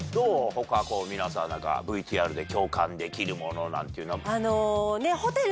他皆さん何かＶＴＲで共感できるものなんていうのは。